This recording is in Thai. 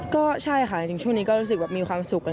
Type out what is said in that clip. ก็ใช่ค่ะจริงช่วงนี้ก็รู้สึกแบบมีความสุขเลย